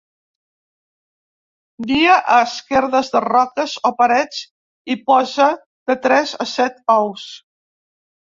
Nia a esquerdes de roques o parets i posa de tres a set ous.